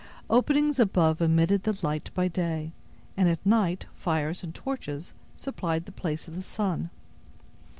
Openings above admitted the light by day, and at night fires and torches supplied the place of the sun.